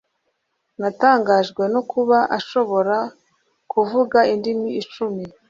Natangajwe no kuba ashobora kuvuga indimi icumi